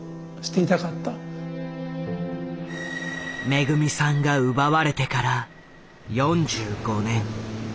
めぐみさんが奪われてから４５年。